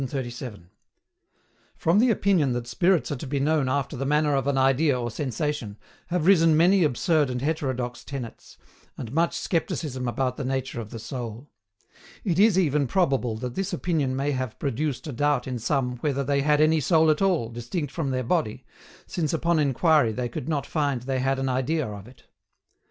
From the opinion that spirits are to be known after the manner of an idea or sensation have risen many absurd and heterodox tenets, and much scepticism about the nature of the soul. It is even probable that this opinion may have produced a doubt in some whether they had any soul at all distinct from their body since upon inquiry they could not find they had an idea of it.